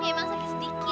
ya emang sakit sedikit